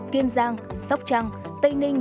kiên giang sóc trăng tây ninh